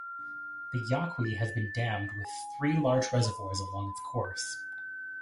The Yaqui has been dammed with three large reservoirs along its course.